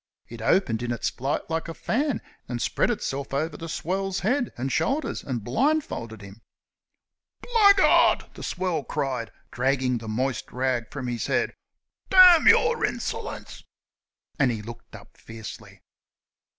It opened in its flight like a fan, and spread itself over the swell's head and shoulders and blindfolded him. "Blackguard!" the swell cried, dragging the moist rag from his head "damn your insolence!" And he looked up fiercely.